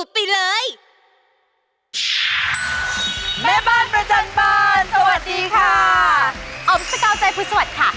อ๋อภิกาวใจภูมิสวัสดิ์ค่ะ